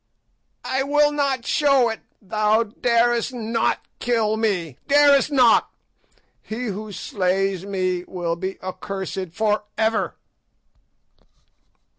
"I will not show it; thou darest not kill me, darest not! He who slays me will be accursed for ever."